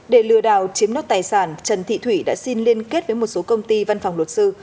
để lừa đảo chiếm nốt tài sản trần thị thủy đã xin liên kết với một số công ty văn phòng luật sư